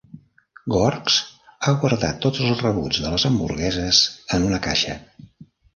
Gorske ha guardat tots els rebuts de les hamburgueses en una caixa.